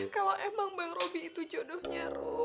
kalau emang bang robi itu jodohnya rum